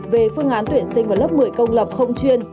về phương án tuyển sinh vào lớp một mươi công lập không chuyên